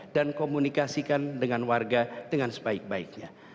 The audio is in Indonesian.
dan komunikasikan dengan warga dengan sebaik baiknya